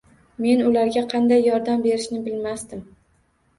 Men ularga qanday yordam berishni bilmasdim